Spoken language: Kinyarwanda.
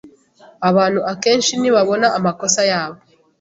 Abantu akenshi ntibabona amakosa yabo.